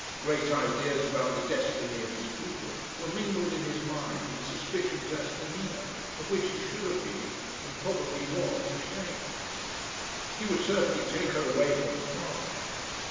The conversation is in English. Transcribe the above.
Great ideas about the destiny of his people were mingled in his mind with suspicions as to Nina, of which he should have been, and probably was, ashamed. He would certainly take her away from Prague.